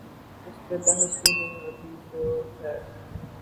اس پہ بحث بھی نہیں ہوتی بس جو ہے۔